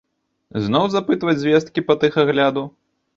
Зноў запытваць звесткі па тэхагляду?